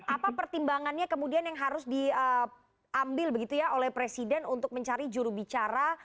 apa pertimbangannya kemudian yang harus diambil begitu ya oleh presiden untuk mencari jurubicara